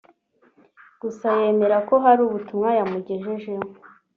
gusa yemera ko hari ubutumwa yamugejejeho